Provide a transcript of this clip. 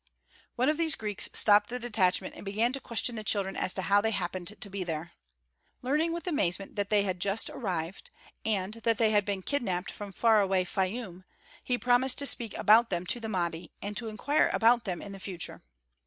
One of these Greeks stopped the detachment and began to question the children as to how they happened to be there. Learning with amazement that they had just arrived, and that they had been kidnapped from far away Fayûm, he promised to speak about them to the Mahdi and to inquire about them in the future.